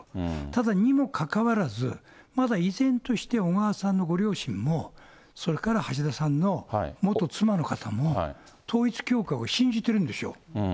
ただ、にもかかわらず、まだ依然として、小川さんのご両親も、それから橋田さんの元妻の方も、統一教会を信じているんですよ。